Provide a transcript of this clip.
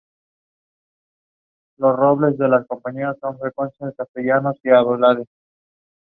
Es la alternativa alfarera a los tradicionales cestos de mimbre.